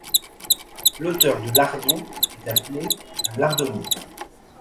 L'auteur de lardons est appelé un lardonnier.